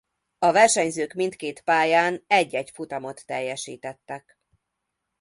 A versenyzők mindkét pályán egy-egy futamot teljesítettek.